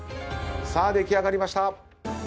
さあ出来上がりました。